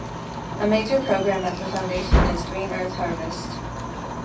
A major program at the Foundation is Green Earth Harvest.